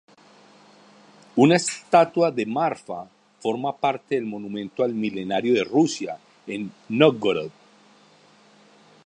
Una estatua de Marfa forma parte del monumento al Milenario de Rusia en Nóvgorod.